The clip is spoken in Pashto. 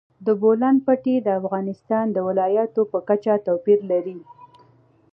د بولان پټي د افغانستان د ولایاتو په کچه توپیر لري.